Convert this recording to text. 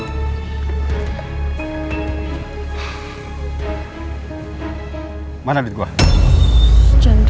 jangan sampai ada yang liat gue yang di ketemuan sama dia